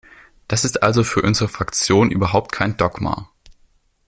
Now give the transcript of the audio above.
Das ist also für unsere Fraktion überhaupt kein Dogma.